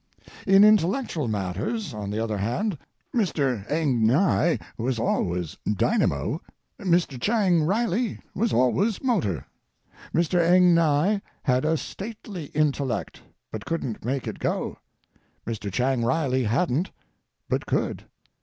In intellectual matters, on the other hand, Mr. Eng Nye was always dynamo, Mr. Chang Riley was always motor; Mr. Eng Nye had a stately intellect, but couldn't make it go; Mr. Chang Riley hadn't, but could.